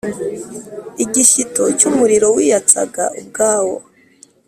Igishyito cy’umuriro wiyatsaga ubwawo,